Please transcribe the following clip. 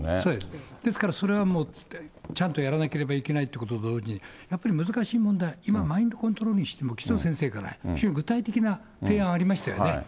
ですからそれはちゃんとやらなければいけないということと同時に、やっぱり難しい問題、今、マインドコントロールにしても、紀藤先生から具体的な提案ありましたよね。